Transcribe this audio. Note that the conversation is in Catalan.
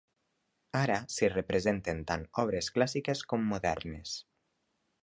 Ara s'hi representen tant obres clàssiques com modernes.